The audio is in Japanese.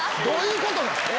どういうことなん？